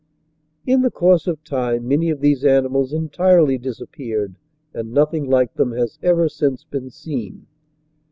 In the course of time many of these animals entirely disappeared and nothing like them has ever since been seen.